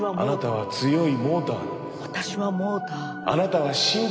はい。